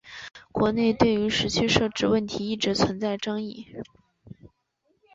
国内对于时区设置问题一直存在争议。